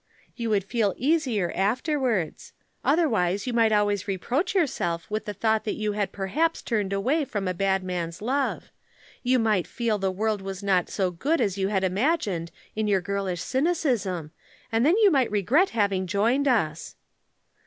You would feel easier afterwards. Otherwise you might always reproach yourself with the thought that you had perhaps turned away from a bad man's love. You might feel that the world was not so good as you had imagined in your girlish cynicism, and then you might regret having joined us."